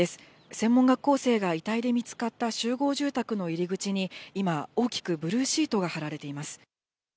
専門学校生が遺体で見つかった集合住宅の入り口に今、大きくブルーシートが張られています。